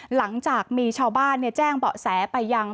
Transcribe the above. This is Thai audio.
หลังจากมีชาวบ้านแจ้งเบาะแสไปยัง